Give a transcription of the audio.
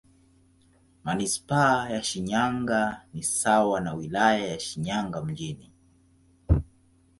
Manisipaa ya Shinyanga ni sawa na Wilaya ya Shinyanga Mjini.